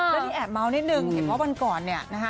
แล้วที่แอบเม้านิดนึงเห็นว่าวันก่อนเนี่ย